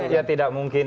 ya tidak mungkin